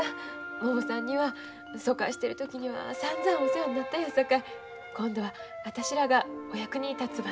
ももさんには疎開してる時にはさんざんお世話になったんやさかい今度は私らがお役に立つ番です。